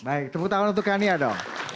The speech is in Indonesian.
baik tepuk tangan untuk kania dong